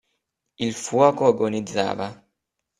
Il fuoco agonizzava.